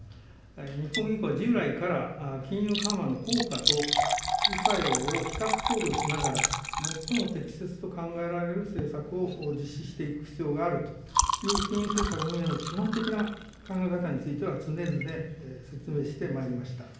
日本銀行は従来から金融緩和の効果と副作用を比較考慮しながら、最も適切と考えられる政策を実施していく必要があるという金融政策運営の基本的な考え方については、常々説明してまいりました。